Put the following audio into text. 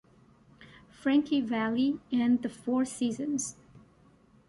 Frankie Valli and the Four Seasons.